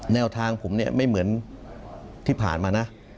แนวทางผมเนี่ยไม่เหมือนที่ผ่านมานะ